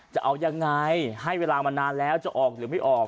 จะเอายังไงให้เวลามานานแล้วจะออกหรือไม่ออก